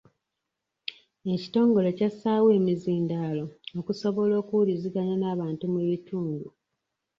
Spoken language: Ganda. Ekitongole kyassaawo emizindaalo okusobola okuwuliziganya n'abantu mu bitundu.